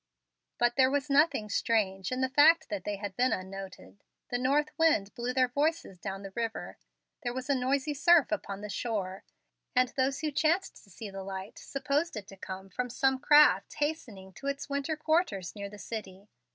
'" But there was nothing strange in the fact that they had been unnoted. The north wind blew their voices down the river. There was a noisy surf upon the shore, and those who chanced to see the light supposed it to come from some craft hastening to its winter quarters near the city.